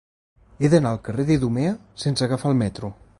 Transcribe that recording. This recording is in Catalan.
He d'anar al carrer d'Idumea sense agafar el metro.